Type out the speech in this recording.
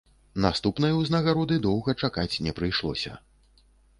Наступнай узнагароды доўга чакаць не прыйшлося.